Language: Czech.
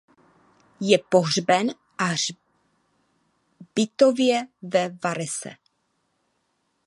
Je pohřben a hřbitově ve Varese.